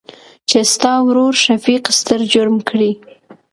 چې ستا ورورشفيق ستر جرم کړى.